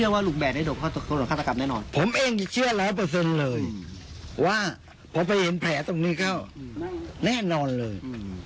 ว่าพอไปเห็นแผลตรงนี้เข้าแน่นอนเลย